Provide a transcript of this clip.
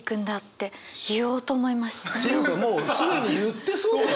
ていうかもう既に言ってそうだよ。